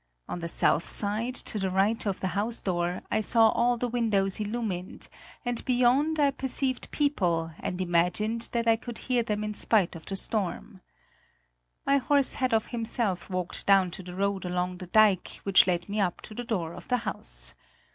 On the south side, to the right of the house door, I saw all the windows illumined, and beyond, I perceived people and imagined that I could hear them in spite of the storm. My horse had of himself walked down to the road along the dike which led me up to the door of the house.